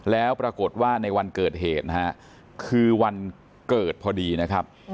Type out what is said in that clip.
แล้วปรากฏว่าในวันเกิดเหตุนะฮะคือวันเกิดพอดีนะครับ